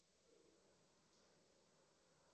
绵阳市属温暖湿润的亚热带季风气候。